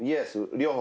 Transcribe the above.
両方。